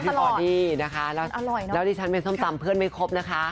บอดี้นะคะแล้วดิฉันเป็นส้มตำเพื่อนไม่ครบนะคะ